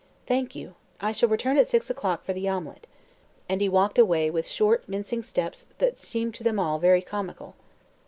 "Thank you. I shall return at six o'clock for the omelet," and he walked away with short, mincing steps that seemed to them all very comical.